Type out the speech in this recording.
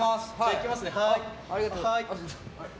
いきますね。